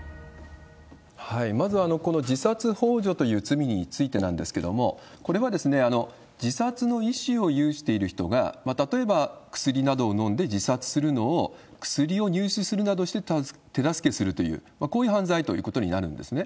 まずはこの自殺ほう助という罪についてなんですけれども、これは自殺の意思を有している人が、例えば薬などを飲んで自殺するのを、薬を入手するなどして手助けするという、こういう犯罪ということになるんですね。